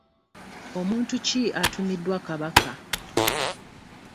Omuntu ki atumiddwa Kabaka?